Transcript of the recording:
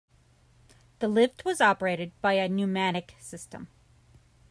The lift was operated by a pneumatic system.